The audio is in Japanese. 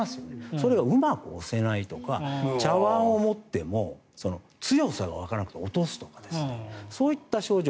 それがうまく押せないとか茶碗を持っても強さがわからなくて落とすとかそういった症状。